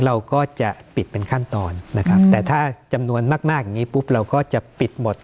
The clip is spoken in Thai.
เราก็จะปิดเป็นขั้นตอนนะครับแต่ถ้าจำนวนมากมากอย่างนี้ปุ๊บเราก็จะปิดหมด